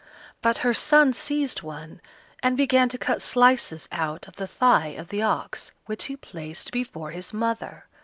But her son seized one, and began to cut slices out of the thigh of the ox, which he placed before his mother.